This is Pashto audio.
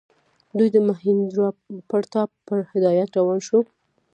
دوی د مهیندراپراتاپ په هدایت روان شوي.